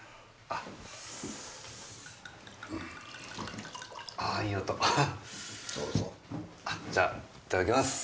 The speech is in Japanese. あじゃいただきます。